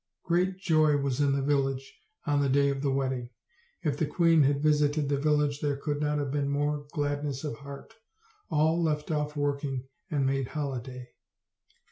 Great joy was in the village on the day of the wed ding. If the queen had visited the village there could not have been more gladness of heart. All left off work and made holiday.